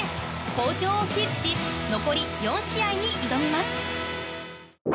好調をキープし残り４試合に挑みます。